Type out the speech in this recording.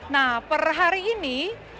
nah per hari ini